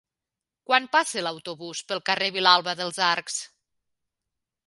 Quan passa l'autobús pel carrer Vilalba dels Arcs?